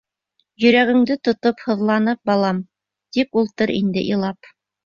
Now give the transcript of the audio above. Йөрәгеңде тотоп, һыҙланып, балам, тип ултыр инде илап.